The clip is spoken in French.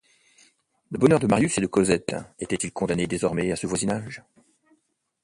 Le bonheur de Marius et de Cosette était-il condamné désormais à ce voisinage?